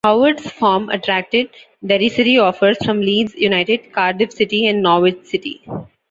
Howard's form attracted "derisory offers" from Leeds United, Cardiff City and Norwich City.